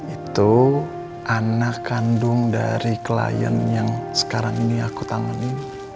itu anak kandung dari klien yang sekarang ini aku tangani